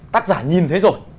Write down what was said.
tác giả nhìn thế rồi